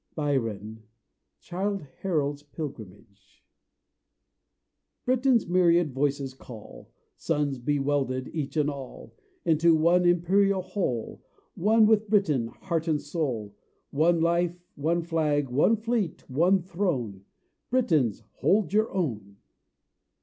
Byron: "Childe Harold's Pilgrimage." Britain's myriad voices call "Sons be welded each and all, Into one imperial whole, One with Britain, heart and soul! One life, one flag, one fleet, one Throne!" Britons, hold your own!